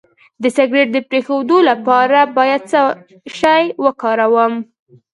د سګرټ د پرېښودو لپاره باید څه شی وکاروم؟